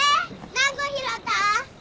何個拾った？